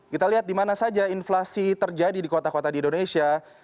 kita lihat di mana saja inflasi terjadi di kota kota di indonesia